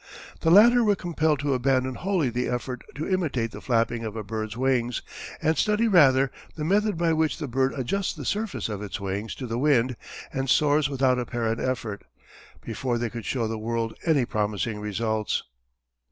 The latter were compelled to abandon wholly the effort to imitate the flapping of a bird's wings, and study rather the method by which the bird adjusts the surface of its wings to the wind and soars without apparent effort, before they could show the world any promising results.